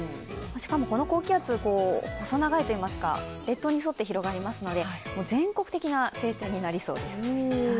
しかもこの高気圧、細長いといいますか列島に沿って広がりますので全国的な晴天になりそうです。